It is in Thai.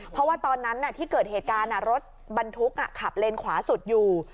เพราะว่าตอนนั้นที่เกิดเหตุการณ์รถบรรทุกขับเลนขวาสุดอยู่